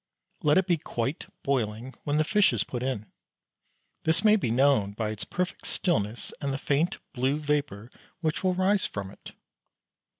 Let it be quite boiling when the fish is put in. This may be known by its perfect stillness and the faint blue vapour which will rise from it.